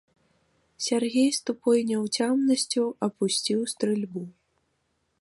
Сяргей з тупой няўцямнасцю апусціў стрэльбу.